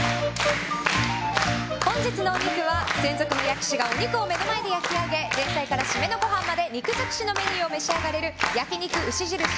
本日のお肉は専属の焼き師がお肉を目の前で焼き上げ前菜から締めのご飯まで肉尽くしのメニューを召し上がれる焼肉牛印